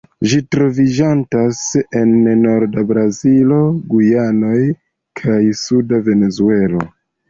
Ĝi troviĝantas en norda Brazilo, Gujanoj, kaj suda Venezuelo.